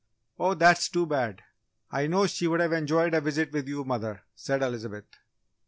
"Oh, that's too bad! I know she would have enjoyed a visit with you, mother," said Elizabeth.